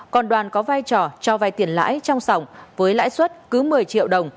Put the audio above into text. còn đoàn có vai trò cho vay tiền lãi trong sòng với lãi suất cứ một mươi triệu đồng